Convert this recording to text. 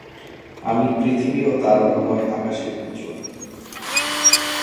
আমি পৃথিবী ও তারকাময় আকাশের পুত্র।